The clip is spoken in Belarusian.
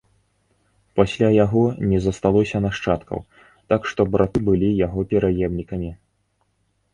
Пасля яго не засталося нашчадкаў, так што браты былі яго пераемнікамі.